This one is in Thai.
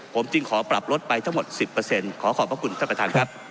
ผมจึงขอปรับลดไปทั้งหมด๑๐ขอขอบพระคุณท่านประธานครับ